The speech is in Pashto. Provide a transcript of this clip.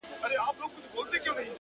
اوس دا يم ځم له خپلي مېني څخه ـ